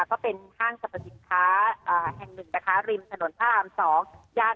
ก็เป็นห้างสรรพสินค้าแห่งหนึ่งนะคะริมถนนพระราม๒ย่าน